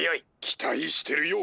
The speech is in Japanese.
「期待してるよ」。